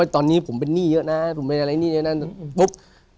ตอนนี้ผมเป็นหนี้เยอะนะผมเป็นอะไรหนี้ในนั้นปุ๊บ